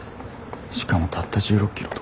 しかもたった１６ｋｍとか。